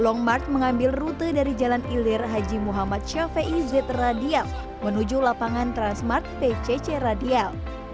long mark mengambil rute dari jalan ilir haji muhammad syafiei z radial menuju lapangan transmart pcc radial